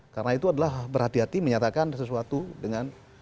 karena itu adalah berhati hati menyatakan sesuatu dengan